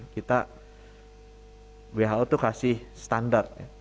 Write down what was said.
kita who itu kasih standar